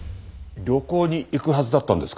旅行に行くはずだったんですか？